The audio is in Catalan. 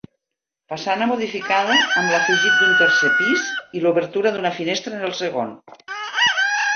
Façana modificada amb l'afegit d'un tercer pis i l'obertura d'una finestra en el segon.